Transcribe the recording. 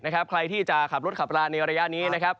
ใครที่จะขับรถขับราในระยะนี้